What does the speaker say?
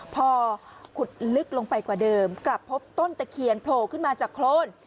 พอขุดลึกลงไปกว่าเดิมกลับพบต้นตะเคียนโผล่ขึ้นมาจากโครน